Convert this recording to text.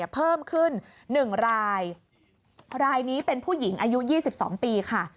เพิ่มขึ้น๑รายรายนี้เป็นผู้หญิงอายุ๒๒ปีค่ะ